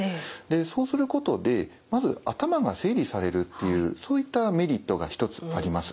そうすることでまず頭が整理されるっていうそういったメリットが一つあります。